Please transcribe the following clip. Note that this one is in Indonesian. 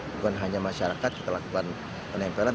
bukan hanya masyarakat kita lakukan penempelan